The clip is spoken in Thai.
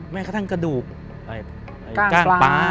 ไม่กระดูกกางปลา